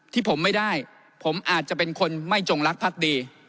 ที่ผมไม่ได้ผมอาจจะเป็นคนไม่จงรักภักดี